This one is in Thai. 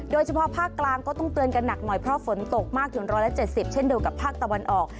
โดยเฉพาะภาคกลางก็ต้องเตือนกันหนักหน่อยเพราะฝนตกมากถึง๑๗๐เช่นเดียวกับภาคตะวันออก